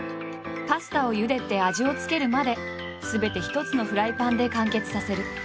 パスタをゆでて味を付けるまですべて一つのフライパンで完結させる。